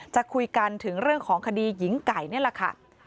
จะคุยกันถึงเรื่องของคดีหญิงไก่นี่แหละค่ะ